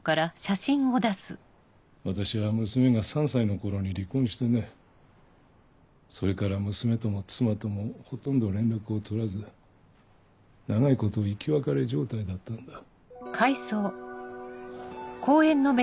私は娘が３歳の頃に離婚してねそれから娘とも妻ともほとんど連絡を取らず長いこと生き別れ状態だったんだ。